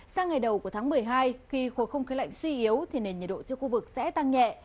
sang ngày đầu của tháng một mươi hai khi khu vực không khí lạnh suy yếu thì nền nhiệt độ trước khu vực sẽ tăng nhẹ